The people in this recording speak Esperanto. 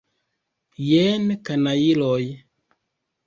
Jen, kanajloj!